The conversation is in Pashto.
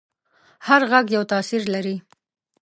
هر غږ یو تاثیر لري.